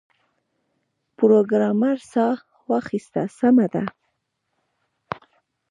پروګرامر ساه واخیسته سمه ده